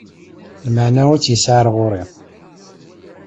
Lmeεna ur tt-yesεi ɣer ɣur-i.